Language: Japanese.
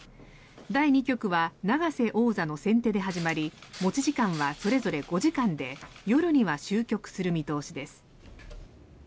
第２局は永瀬王座の先手で始まり持ち時間はそれぞれ５時間で夜には終局する見通しです。